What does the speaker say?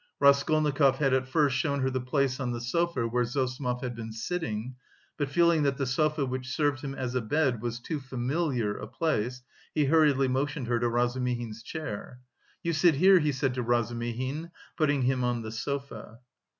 Raskolnikov had at first shown her the place on the sofa where Zossimov had been sitting, but feeling that the sofa which served him as a bed, was too familiar a place, he hurriedly motioned her to Razumihin's chair. "You sit here," he said to Razumihin, putting him on the sofa.